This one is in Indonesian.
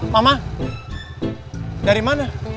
mama dari mana